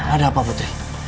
ada apa putri